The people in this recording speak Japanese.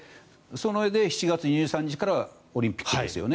それで７月２３日からはオリンピックですよね。